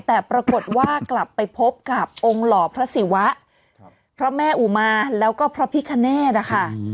แต่ปรากฏว่ากลับไปพบกับองค์หล่อพระศิวะพระแม่อุมาแล้วก็พระพิคเนธนะคะ